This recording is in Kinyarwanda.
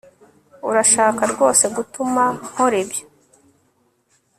Urashaka rwose gutuma nkora ibyo